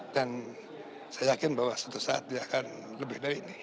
dan saya yakin bahwa suatu saat dia akan lebih dari ini